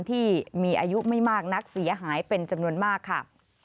ที่มีอายุไม่มากนักเสียหายเป็นจำนวนมากค่ะ